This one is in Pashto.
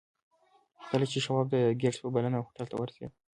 خو کله چې شواب د ګیټس په بلنه هوټل ته ورسېد